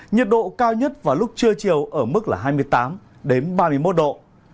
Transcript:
nhiệt độ cao nhất vào lúc trưa chiều ở mức là hai mươi tám ba mươi một độ